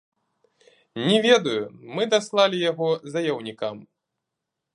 Не ведаю, мы даслалі яго заяўнікам.